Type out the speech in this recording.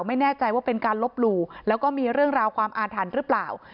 ไม่แน่ใจว่าเป็นการลบหลู่แล้วก็มีเรื่องราวความอาถรรพ์หรือเปล่า